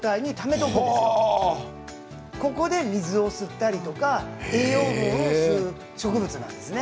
ここで水を吸ったりとか栄養分を吸う植物なんですね。